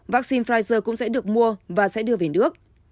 vaccine pfizer cũng sẽ được mua và sẽ đưa về nước